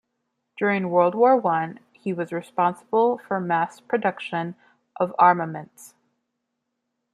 During World War One, he was responsible for mass production of armaments.